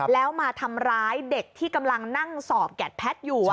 แล้วมาทำร้ายเด็กที่กำลังนั่งสอบแกสอยู่ค่ะ